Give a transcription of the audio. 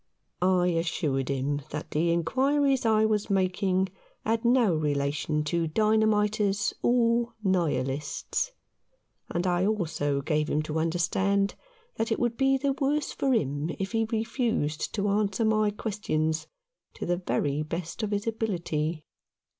I assured him that the inquiries I was making had no relation to dynamiters or Nihilists ; and I also gave him to understand that it would be the worse for him if he refused to answer my questions to the very best of his ability.